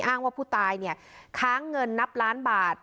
อ้างเพิ่งผู้ตายค้างเงินนับล้านบาท